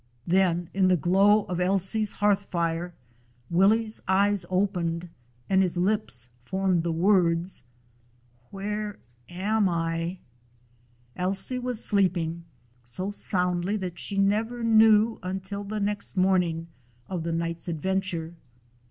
Then, in the glow of Ailsie's hearth fire, Willie's eyes opened, and his lips formed the words, "Where am I?" Ailsie was sleeping; so soundly that she never knew until the next morning of the night's adventure.